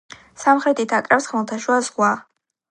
სამხრეთით აკრავს ხმელთაშუა ზღვა.